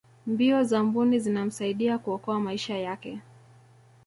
mbio za mbuni zinamsaidia kuokoa maisha yake